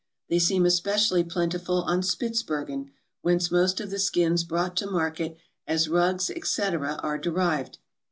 They seem especially plentiful on Spitzbergen, whence most of the skins brought to market as rugs, etc., are derived.